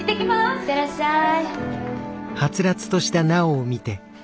いってらっしゃい。